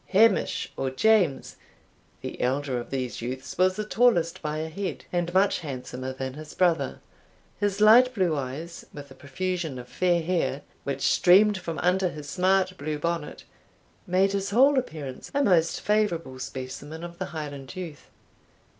Hamish, or James, the elder of these youths, was the tallest by a head, and much handsomer than his brother; his light blue eyes, with a profusion of fair hair, which streamed from under his smart blue bonnet, made his whole appearance a most favourable specimen of the Highland youth.